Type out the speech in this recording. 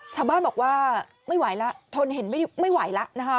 ชาวบ้านบอกว่าไม่ไหวแล้วทนเห็นไม่ไหวแล้วนะคะ